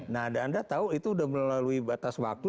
nah anda tahu itu sudah melalui batas waktu